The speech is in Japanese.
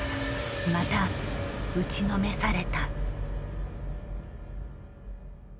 また打ちのめされた。